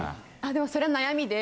でもそれ悩みで。